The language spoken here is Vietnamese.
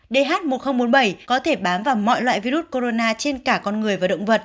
dh một nghìn bốn mươi bảy có thể bám vào mọi loại virus corona trên cả con người và động vật